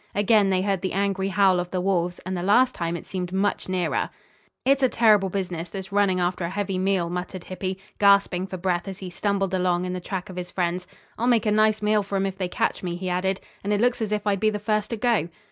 Again they heard the angry howl of the wolves, and the last time it seemed much nearer. "It's a terrible business, this running after a heavy meal," muttered Hippy, gasping for breath as he stumbled along in the track of his friends. "I'll make a nice meal for 'em if they catch me," he added, "and it looks as if I'd be the first to go."